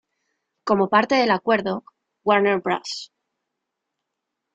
Como parte del acuerdo, Warner Bros.